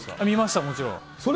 見ました、もちろん。